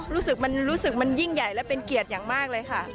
รู้สึกมันรู้สึกมันยิ่งใหญ่และเป็นเกียรติอย่างมากเลยค่ะ